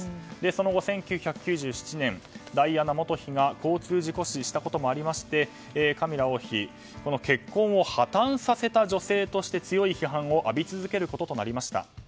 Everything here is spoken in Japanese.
その後、１９９７年ダイアナ元妃が交通事故死したこともありましてカミラ王妃は結婚を破たんさせた女性として強い批判を浴び続けることとなりました。